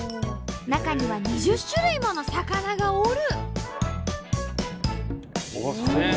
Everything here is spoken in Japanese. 中には２０種類もの魚がおる！